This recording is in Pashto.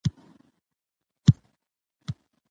ښارونه د افغانستان د طبیعت برخه ده.